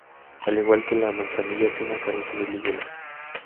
Al igual que la manzanilla fina carece de lígulas.